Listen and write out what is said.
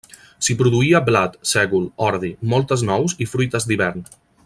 S'hi produïa blat, sègol, ordi, moltes nous i fruites d'hivern.